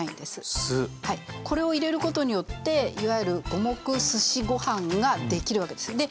これを入れることによっていわゆる五目すしご飯ができるわけです。